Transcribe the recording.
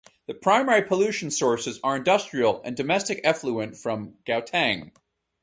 The primary pollution sources are industrial and domestic effluent from Gauteng.